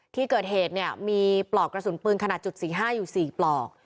ที่เกิดเหตุเนี่ยมีปลอกกระสุนปืนขนาดจุด๔๕อยู่๔ปลอก